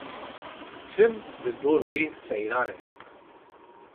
Tim li dor wê seyran e.